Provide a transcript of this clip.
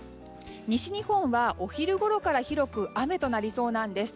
西日本はお昼ごろから広く雨となりそうなんです。